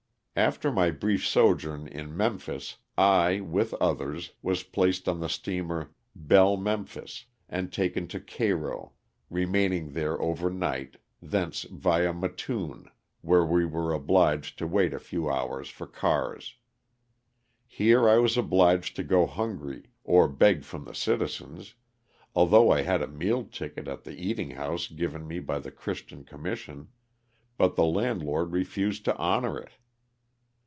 After my brief sojourn in Memphis, I, with others, was placed on the steamer '' Belle Memphis " and taken to Ca, iro, remaining there over night, thence via Matoon, where we were obliged to wait a few hours for cars. Here I was obliged to go hungry, or beg from the citizens, although I had a meal ticket at the eating house given nie by the Christian commission, but the landlord refused to honor it.